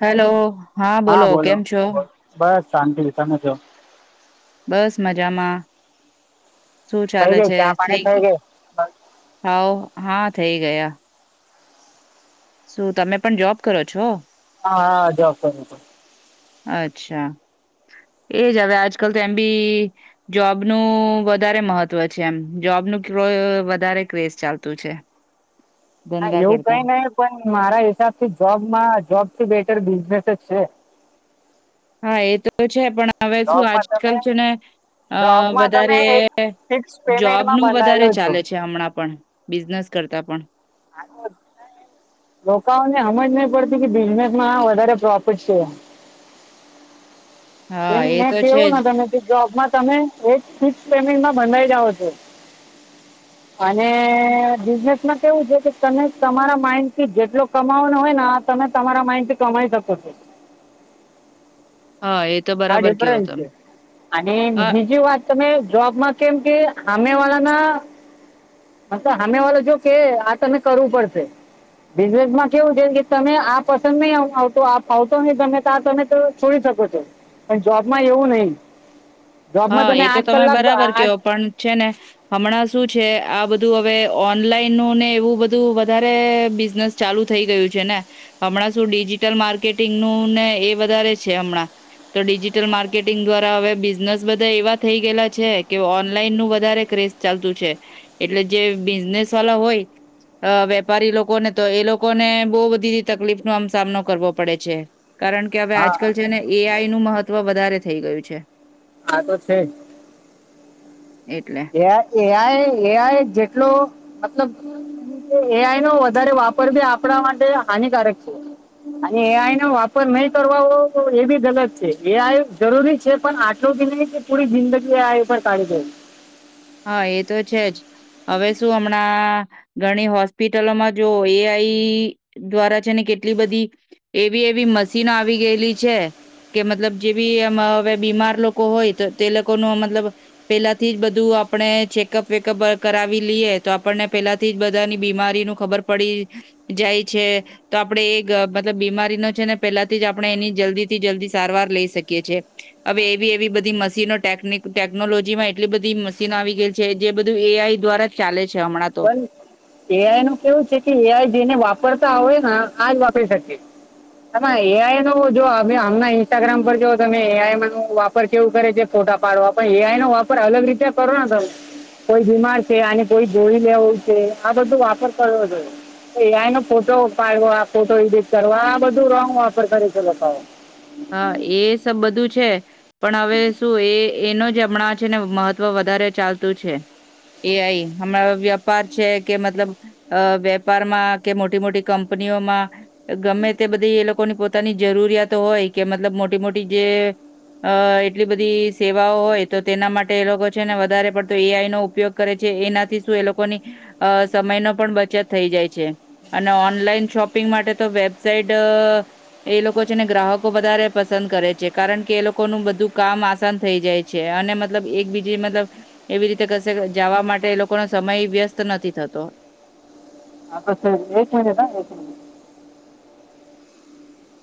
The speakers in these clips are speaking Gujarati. હેલો હા બોલો કેમ છો. શાંતિ કેમ છો. બસ મજામાં. શું થઈ ચાલે ગઈ છે ચા પાણી થઈ ગય ગઈ હાવ. હા થઈ ગયા. શું તમે પણ જોબ કરો છો. હા હા જવા. અચ્છા એજ હવે આજકાલ તો એમ બી જોબનું વધારે મહત્વ છે એમ જોબનું કો વધારે ક્રેઝ ચાલતું છે. હા ધંધા એવું કઈ કરતા નહી પણ મારા હિસાબથી જોબમાં જોબ થી બેટર બિઝને. છે. હા એ તો છે પણ. હવે શું જોબમાં તમે આજકાલ છે ને અ જોબમાં તમે વધારે એક ફિક્સ જોબ પેમેન્ટમાં નું વધારે બંધાયેલો છો ચાલે છે હમણાં પણ. બિઝનેસ કરતા પણ. લોકોને હમજ નહી પડતી કે બિઝનેસ માં વધારે પ્રોફિટ છે. હા પણ એ મે તો છે કેવું જ તમે જોબમાં તમે એક ફિક્સ ટાઈમિંગમા બંધાઈ જાવો છો અને બિઝનેસમાં કેવું છે કે તમે તમારા માઇન્ડ થી જેટલો કમાવનો હોય ને તમે તમારા માઈન્ડ થી કમાઈ શકો છો. હા એ તો આ બરાબર કયો ડિફરન્સ તમે છે અને હા બીજી વાત તમે જોબમાં કેમ કે હામે વાળા ના મતલબ હામે વાળા જો કે આ તમે કરવું પડશે બિઝનેસમાં કેવું છે કે તમે આ પસંદ નહી આવતો આ ફાવતો નહી તમે તો આ તમે છોડી શકો છો. પણ જોબમાં એવું નહી. હા એ તો તમે બરાબર કેવો પણ છે ને હમણાં શું છે આ બ ધુ હવે ઓનલાઈન નું ને એવું બધું વધારે બિઝનેસ ચાલુ થઈ ગયું છે ને હમણાં શું ડીજીિટલ માર્કેટિંગ નું ને એ વધ છે હમણાં તો ડિજીિટલ માર્કેટિંગ દ્વારા હવે બીઝ બઝનેસ બધા એવા થઈ ગયેલા છે કે ઓનલાઈન નું વધારે ક્રેઝ ચાલતું છે એટલે જે બિઝનેસ વાલા હોય વેપારી લોકોને તો એ લોકોને બો બધી તકલીફ નો આમ સામનો કરવો પડે છે. કારણ કે હવે હા હા આજકાલ છે ને એ આઈ નું મહત્વ વધારે થઈ ગયું છે. આ તો છે જ એટલે. એ એઆઈ એઆઈ જેટલો મતલબ એઆઈ નો વધારે વાપર બી આપણા માટે હાનિકારક છે અને એઆઈ નો વાપર નહી કરવા એ બી ગલત છે એઆઈ જરૂરી છે પણ આટલું બી નહી કે પૂરી જિંદગી એઆઈ ઉપર કાઢી ડે. હા એ તો છે જ હવે શું હમણાં ઘણી હોસ્પિટલોમાં જો એઆઈ દ્વારા છે ને કેટલી બધી એવી એવી મશીનો આવી ગયેલી છે કે મતલબ જે બી હવે બીમાર લોકો હોય તો તે લોકોનું મતલબ પેલાથી જ બધું આપ પણે ચેકઅપ વેકઅપ કરાવી લઈએ તો આપણને પેલાથી બધાની બીમારીનું ખબર પડી જાય છે તો આપડે એ મતલબ બીમારીનો છે ને પેલાથી જ આપણે એની જલ્દી થી જલ્દી સારવાર લઈ શકીએ છે હવે એવી એવી બધી મશીનો ટેકનીક ટેકનોલોજી માં એટલી બધી મસ ચિનો આવી ગયેલ છે જે બધું એ આઈ દ્વારા ચાલે. છે હમણાં તો પણ એઆઈ નું કેવું છે કે એઆઈ જેને વાપ પરતા આવે ને આજ વાપરી શકીએ તમે એઆઈ નો જોમે હમના ઈન્સ્ટાગ્રામ પર જો તમે એઆઈ ન વાપર કેવું કરે છે ફોટા પાડવા પણ એઆઈ નો વાપર અલગ રીતે કરો ને તમે કોઈ બીમાર છે અને કોઈ જોઈ લેવું છે આ બધો વાપર કરવો જોઈયે એનો ફોટો પાડવા ફોટો એડિટ કરવા આ બધું રોંગ વાપર કરે છે લોકો. હા એ સબ બધું છે. પણ હવે શું એ એનો જ હમણાં છે ને મહત્વ વધારે ચાલતું છે એ આઈ હમણાં વેપાર છે કે મતલબ અ વેપારમાં કે મોટી મોટી કંપનીઓમાં ગમે તે બધી એ લોકોની પોતાની જરૂરિયાતો હોય. કે મતલબ મોટી મોટી જે અ એટલી બધી સેવાઓ હોય તો તેના માટે એ લોકો છે ને વધારે પડતો એઆઈ નો ઉપયોગ કરે છે એનાથી શું એ લોકોની અ સમયનો પણ બચત થઈ જાય છે અને ઓનલાઈન શોપિંગ માટે તો વેબસાઇટ એ લોકો છે ને ગ્રાહક કો વધારે પસંદ કરે છે કારણ કે એ લોકોનું બધું કામ આસાન થઈ જાય છે અને મતલબ એકબીજ મતલબ એવી રીતે કશે જવા માટે એ લોકોનો સમય વ્યસ્ત નથી થતો. આતો છે [unintelligible]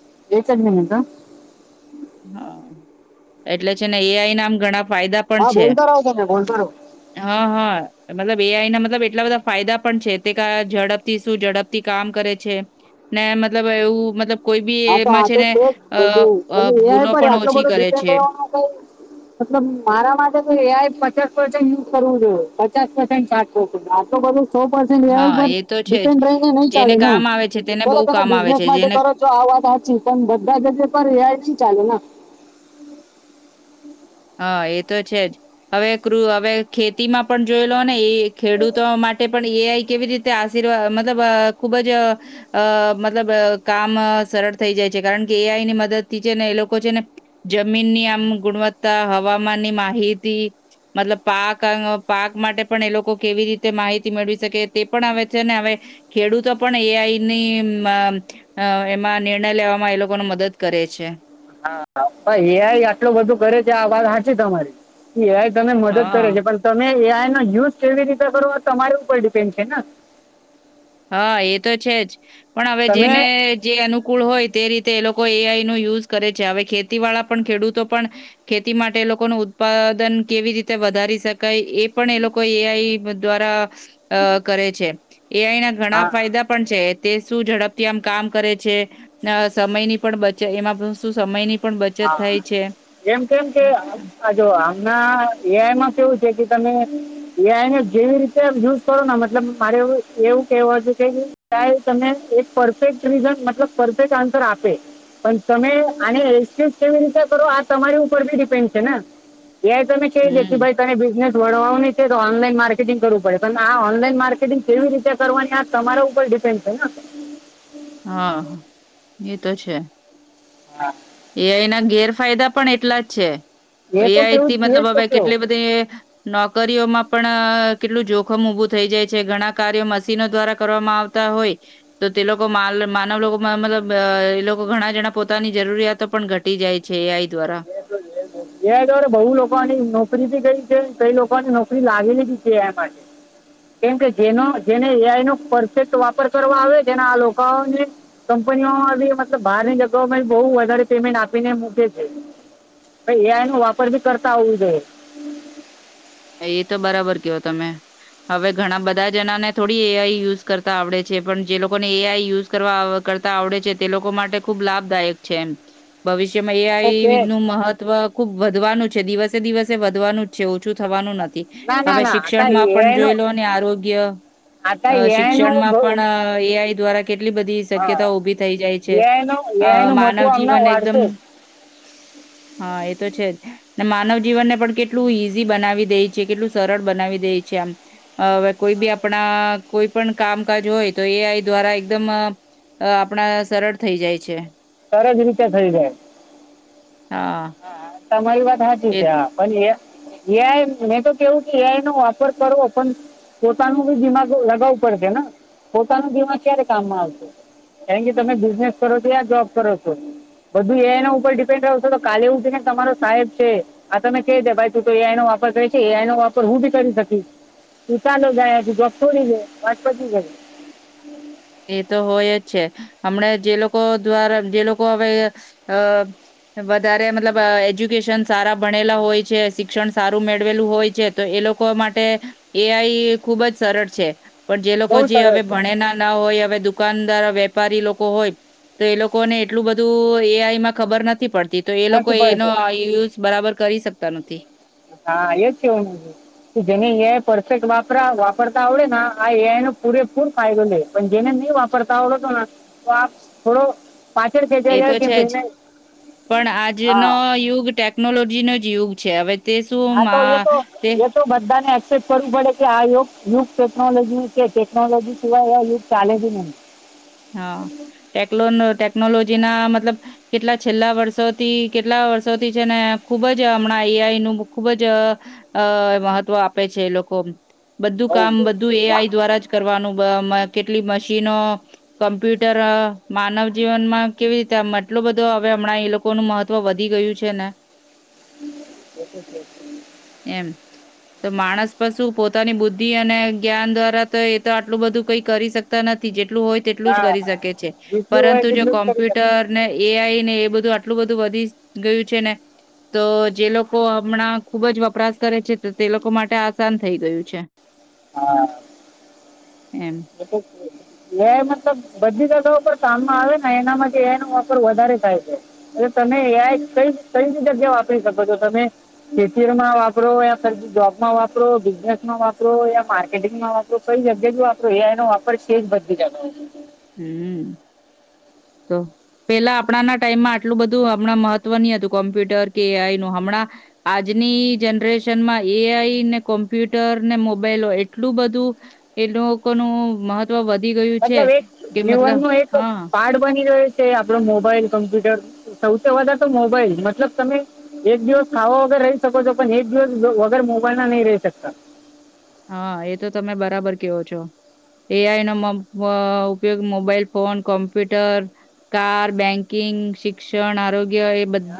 [unintelligible] હ એટલે છે ને એઆઈ નામ ઘણા ફાયદા પણ હા છે બોલતા રહો તમે બોલતા રહો હા હા મતલબ એઆઈ ના મતલબ એટલા બધા ફાયદા પણ છે તે કે ઝડપથી શું ઝડપથી કામ કરે છે ને મતલબ એવું મતલબ કોઈ બી હા તો એમાં આ છે તો ને જ અ બધું અ પણ એઆઈ ભૂલો પર પણ આટલો ઓછી બધો કરે ડિપેન્ડ છે રહેવાનું કઈ મતલબ મારા માટે તો એઆઈ પચાસ [unintelligible] કરવું જોઈએ પચાસો પરસન્ટ [unintelligible] આટલો બધો સો પર્સેન્ટ એઆઈ હા ઉપર એ તો છે ડિપેન્ડ જ રહીને નહી જેને ચાલે ને કામ આવે છે તેને સોલો બહુ તમે કામ આવે બિઝનેસ છે માટે જેને કરો વાત હાચી પણ બધા જ ઓપરેટર એઆઈ થી ચાલે ને. હા એ તો છે જ હવે ક્ર હવે ખેતીમાં પણ જોય લો ને એ ખેડૂતો માટે પણ એઆઈ કેવી રીતે આશીર્વા મતલબ ખુબ જ અ મતલબ કામ સરળ થઈ જાય છે કારણ કે એઆઈ ની મદદ થી છે ને એ લોકો છે ને જમીનની આમ ગુણવત્ત તા હવામાનની માહિતી મતલબ પાક પાક માટે પણ એ લોકો કેવી રીતે માહિતી મેળવી શકે તે પણ અવે છે ને હ ખેડૂતો પણ એઆઈની એમાં નિર્ણય લેવામાં એ લોકોને મદદ કરે છે. પર એ આઈ આટલું બધું કરે છે આ વાત હાચી તમારી. શું એ આઈ તમે મદદ કરે હા. છે પણ તમે એ આઈ ના યુઝ કેવી રીતે કરો તમારી ઉપર ડિપેન્ડ છે ના. હા એ તો છે જ. પણ હવે તમે જેને જે અનુકૂળ હોય તે રીતે તે એ લોકો એઆઈ નો યુઝ કરે છે. હવે ખેતી વાળા પણ, ખેડૂતો પણ, ખેતી માટે એ લોકો નો ઉત્પાદન કેવી રીતે વધારી શકાય, એ પણ એ લોકો અહ એ આઈ દ્વારા અહ કરે છે. એ આઈ ના ઘણા હા ફાયદા પણ છે. તે શું ઝડપથી આમ કામ કરે છે. ના સમયની પણ બચ, એમાં પણ શું સમયની પણ બચત હા, થાય છે. એમ કેમ કે તે આહ જો આ એમ ના, એ આઈમાં કેવું છે કે તમે એ આઈને જેવી રીતે યુઝ કરો, મતલબ મારે એવું એવું કહેવાય છે કે, એ આઈ તને એક પરફેક્ટ રીઝન, મતલબ પરફેક્ટ આન્સર આપે. પણ તમે આને એ છે કેવી રીતે કરો, આ તમારી ઉપર ભી ડિપેન્ડ છે ને. ત્યાં તમે છે દે કે હમ્મ. ભાઈ તને બિઝનેસ વળવાની છે, તો ઓનલાઈન માર્કેટિંગ કરવું પડે. પણ આ ઓનલાઈન માર્કેટિંગ કેવી રીતે કરવાની, આ તમારા ઉપર ડિપેન્ડ છે ના. હા, હ. એ તો છે. હા. એ આઈ ના ગેરફાયદા પણ એટલા જ છે. એ તો આઈ થી, કેવું એ મતલબ જ તો હવે કેવું કેટલી બધે નોકરીઓમાં પણ અહ કેટલું જોખમ ઉભું થઈ જાય છે. ઘણા કાર્યો મશીનો દ્વારા કરવામાં આવતા હોય, તો તે લોકો માલ માનવ લોકો માં મતલબ, અહ એ લોકો ઘણા જણા પોતાની જરૂરિયાત તો પણ ઘટી જાય છે, એ આઈ દ્વારા. [inaudible] એ આઈ દ્વારા બહુ લોકોની નોકરી બી ગઈ છે. કઈ લોકોની નોકરી લાગેલી બી છે, એ આઈ માટે. કેમકે જેનો જેને એ આઈ નો પરફેક્ટ વાપર કરવા આવે, જેને આ લોકા ઓને કંપનીઓ માંથી, મતલબ બહારની જગઓમાં, બહુ વધારે પેમેન્ટ આપીને મૂકે છે. પણ એ આઈ નો વાપર ભી કરતા આવડતુ જોઈએ. એ તો બરાબર કયો તમે. હવે ઘણા બધા જણાને થોડી એ આઈ યુઝ કરતા આવડે છે, પણ જે લોકોને એ આઈ યુઝ કરવા કરતા આવડે છે, તે લોકો માટે ખુબ લાભદાયક છે એમ. ભવિષ્ય કેમ એ આ તો છે આઈ જ. નું મહત્વ ખુબ વધવાનું છે દિવસે દિવસે વધવાનું જ છે. ઓછું થવાનું થી. ના ના હવે ના આતા શિક્ષણમાં પણ જોઈ એઆઈનો લો ને આરોગ્ય આતા અહ એઆઈનો શિક્ષણમાં પણ અહ એ આઈ દ્વારા કેટલી બધી હા શક્યતા ઉભી થઈ જાય છે. એઆઈનો અહ એઆઈનું મહત્વ માનવ હમણાં જીવન એકદમ, વાઢશે જ હા, એ તો છે જ. ને માનવ જીવન ને પણ કેટલું ઈજ ઝી બનાવી દે છે. કેટલું સરળ બનાવી દે છે આમ. અહ હવે કોઈ બી આપણા કોઈ પણ કામકાજ હોય, તો એ આઈ દ્વારા એકદમ અહ આપણા સરળ થઈ જાય છે. સરસજ રીતે થઈ જાય. હા. તમારી વાત સાજું એ છે, પણ આ એ આ એ આઈ મેં તો કેવું, એ આઈ નો વાપર કરો, પણ પોતાનું બી દિમાગ લગાવું પડશે ને. પોતાનું દિમાગ ક્યારે કામમાં આવશે? કારણ કે તમે બિઝનેસ કરો છો યા જોબ કરો છો, બધું એ આઈ ના ઉપર ડિપેન્ડ રહશો, તો કાલે એવું છે ને તમારો સાહેબ છે. આ તમે કે દે, ભાઈ, તું તો એ આનો વાપર કરી છે, એ આનો વાપર હું ભી કરી શકું. તું ચાલો ગયા જોબ થોડી દે. વાત પતિ ગઈ. એ તો હોય જ છે. હમણાં જે લોકો દ્વારા, જે લોકો હવે અહ વધારે મતલબ એજ્યુકેશન સારા ભણેલા હોય છે, શિક્ષણ સારું મેળવેલું હોય છે, તો એ લોકો માટે એ આઈ ખુબ જ સરળ છે. પણ જે લોકો, બહુ જે હવે સરસ ભણેના કે હવે દુકાનદાર, વેપારી લોકો હોય, તો એ લોકોને એટલું બધું એ આઈમાં ખબર નથી પડ તો એ છે લોકો નથી એનો પડતી યુઝ બરાબર કરી શકે. તનુથી. હા, એજ છેવા કે જેને એ પરફેક્ટ વાપર વાપરતા આવડે ને, આ નો પૂરેપૂર ફાયદો લે. પણ જેને નહીં વાપરતા આવડે, તો તો આ થોડો પાછળ ખેંચાઈ એ જાય તો કેમ છે કે જ, એને પણ આજનો હા યુગ ટેકનોલોજી નો જ યુગ છે હવે તે શું હા તો એ મા તો તે એ તો બધાને ફરવું પડે કે આ યગ યુગ ટેકનોલોજી કે ટેકનોલોજી સિવાય આ યુગ ચાલે જ નહી. હા ટેકલોન ટેક નોલોજી ના મતલબ કેટલા છેલ્લા વર્ષોથી કેટલા વર્ષોથી છે ને ખુબ જ હમણાં એઈઆઈ નું ખુબ જ અ મહત્વ આપે છે એ લોકો. બધું બહુ કામ બહુ બધું એ આઈ દ્વારા જ કરવાનું કેટલી મશીનો કમ્પ્યુટર માનવ જીવનમાં કેવી રીતે એટલો બધો હવે હમણાં એ લોકોનું મહત્વ વધી ગયું છે ને. એમ તો માણસ પશું પોતાની બુદ્ધિ અને જ્ઞાન દ્વારા તો એ તો આટલું બધું કઈ કરી શકતા નથી જેટલું હોય તેટલું જ ના કરી ના શકે છે જેટલું હોય પરંતુ જો તેટલું જ કરી શકે કોમ્પ્યુટર ને એ આઈ ને એ બધું એટલું બધું વધી ગયું છે ને તો જે લોકો હમણાં ખુબ જ વપરાશ કરે છે તે લોકો માટે આસાન થઈ ગયું છે. હા. એમ [unintelligible] લબ બધી જગા પર કામમાં આવે ને એનામાંનો વાપર વધારે થાય છે એટલે તમે એ કઈ કઈ જગ્યા વાપરી શકો છો તમે ખેતર માં વાપરો યા જોબમાં વાપરો બિઝનેસ માં વાપરો યા માર્કેટિંગમાં વાપરો કઈ જગ્યા જ વાપરો તો એઆઈ નો વાપર છે જ બધીજ [inaudible] હમ તો પેલા આપણાના ટાઈમમાં આટલું બધું હમણાં મહત્વની હતું કોમ્પ્યુટર કે એ આઈ નું હમણાં આજની જનરેશન માં એઆઈ ને કોમ્પ્યુટર ને મોબાઈલ એટલું બધું એ લોકોનું મહત્વ તો વધી ગયું છે. કે જીવન મતલબ ન એક હા પાર્ટ બની રહ્યો છે આપડો મોબાઈલ કમ્પ્યુટર સૌથી વધધા તો મોબાઈલ મતલબ તમે એક દિવસ ખાવા વગર રહી શકો છો પણ એક દિવસ વગર મોબાઈલ ના નહી રહી શકતા. હા એ તો તમે બરાબર કેવો છો એઆઈ ન ઉપયોગ mobile phone, computer, car, banking, શિક્ષણ, આરોગ્ય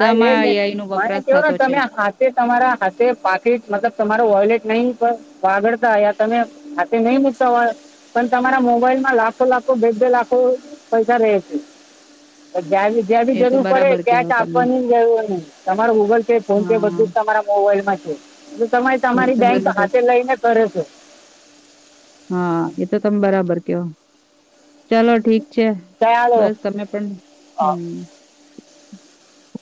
હા એ છે એઆઈ નો મને વપરાશ કેવો ને થતો છે તમે હાથે તમારા હાથે પાકીટ મતલબ તમારો વોયલેટ નહી વાગડતા તમે હાથે નહી મુકતા હો પણ તમારા મોબાઈલ માં લાખો લાખો બે બે લાખો પૈસા રહે છે. [unintelligible] એ તો જરૂર પડે બરાબર ત્યાજ કેવો તમે આપવા ગય તમારું ગૂગલ પે ફોન પે હા બધું જ તમારા મોબાઈલ માં છે. એ તમારી તો બેંક બરાબર હાતે લઈને કરે છે. હા, એ તો તમે બરાબર ક ચાલો ઠીક છે ચાલો બસ તમે પણ અ, હમ. [inaudible]